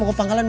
udah bang jalan